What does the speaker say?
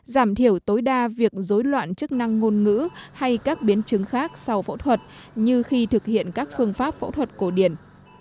giảm thiểu tối đa việc dối loạn chức năng ngôn ngữ hay các biến chứng khác sau phẫu thuật như khi thực hiện các phương pháp phẫu thuật cổ điển